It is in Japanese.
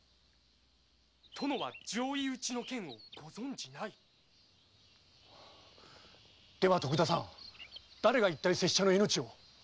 ・殿は上意討ちの件をご存じない⁉では徳田さん誰が一体拙者の命を？